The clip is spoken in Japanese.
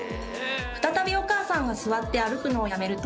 再びお母さんが座って歩くのをやめると。